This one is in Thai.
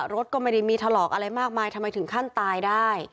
รถก็ไม่ได้มีถลอกอะไรมากมายทำไมถึงขั้นตายได้